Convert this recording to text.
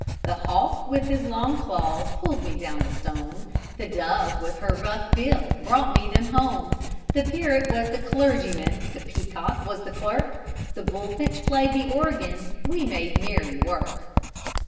The hawk with his long claws pulled down the stone, The dove with her rough bill brought me them home. The parrot was the clergyman, the peacock was the clerk, The bullfinch played the organ, we made merry work.